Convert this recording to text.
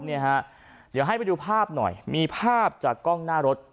เดี๋ยวให้ไปดูภาพหน่อยมีภาพจากกล้องหน้ารถ